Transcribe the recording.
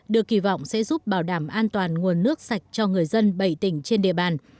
được kỳ vọng sẽ giúp bảo đảm an toàn nguồn nước sạch cho người dân bảy tỉnh trên địa bàn